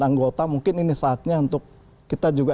anggota mungkin ini saatnya untuk kita juga